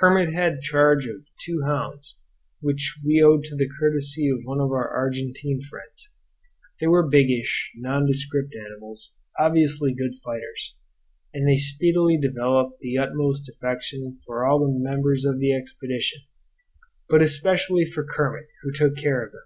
Kermit had charge of two hounds which we owed to the courtesy of one of our Argentine friends. They were biggish, nondescript animals, obviously good fighters, and they speedily developed the utmost affection for all the members of the expedition, but especially for Kermit, who took care of them.